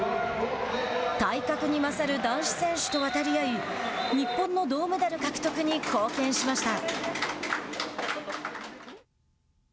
体格に勝る男子選手と渡り合い日本の銅メダル獲得に貢献しました。